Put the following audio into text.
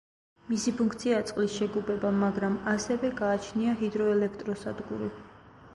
მისი ფუნქციაა წყლის შეგუბება, მაგრამ ასევე გააჩნია ჰიდროელექტროსადგური.